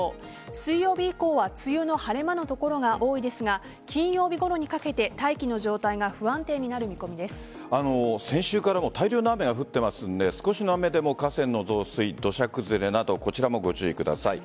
水曜日以降は梅雨の晴れ間の所が多いですが金曜日ごろにかけて大気の状態が先週から大量の雨が降っていますので少しの雨でも河川の増水土砂崩れなどこちらもご注意ください。